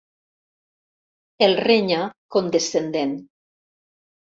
El renya, condescendent.